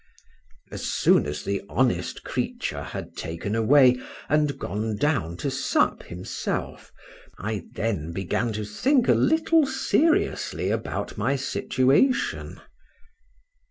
As soon as the honest creature had taken away, and gone down to sup himself, I then began to think a little seriously about my situation.